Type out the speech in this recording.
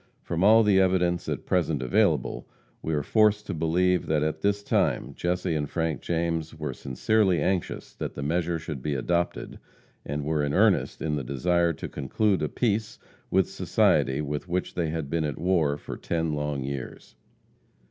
From all the evidence at present available, we are forced to believe that at this time Jesse and Frank James were sincerely anxious that the measure should be adopted, and were in earnest in the desire to conclude a peace with society with which they had been at war for ten long years.